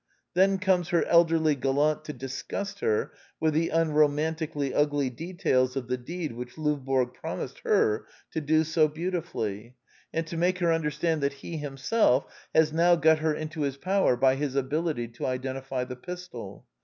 Then comes her elderly gallant to disgust her with the unromantically ugly details of the deed which Lovborg promised her to do so beautifully, and to make her understand that he himself has now got her into his power by his ability to identify the pistol.